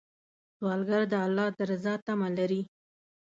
سوالګر د الله د رضا تمه لري